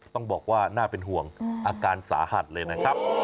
ต้องบอกว่าน่าเป็นห่วงอาการสาหัสเลยนะครับ